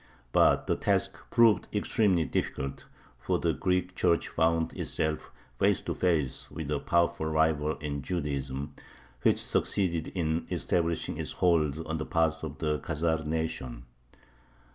But the task proved extremely difficult, for the Greek Church found itself face to face with a powerful rival in Judaism, which succeeded in establishing its hold on a part of the Khazar nation.